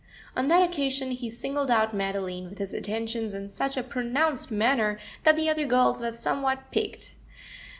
On that occasion he singled out Madeline with his attentions in such a pronounced manner that the other girls were somewhat piqued.